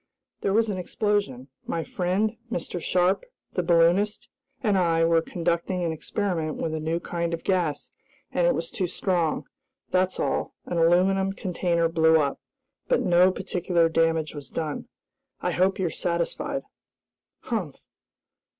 "There was an explosion. My friend, Mr. Sharp, the balloonist, and I were conducting an experiment with a new kind of gas, and it was too strong, that's all. An aluminum container blew up, but no particular damage was done. I hope you're satisfied." "Humph!